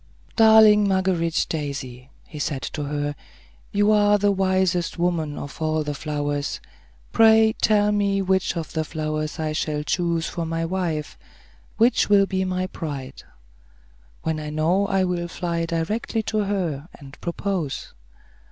"Darling Marguerite daisy," he said to her, "you are the wisest woman of all the flowers. Pray tell me which of the flowers I shall choose for my wife. Which will be my bride? When I know, I will fly directly to her, and propose."